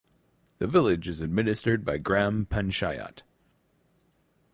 The village is administrated by Gram Panchayat.